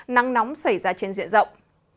nắng nóng xảy ra trên diện rộng